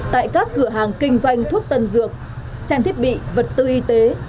tại các cửa hàng kinh doanh thuốc tân dược trang thiết bị vật tư y tế